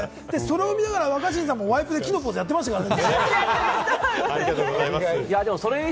それを見ながら若新さんが木のポーズやっていましたからね。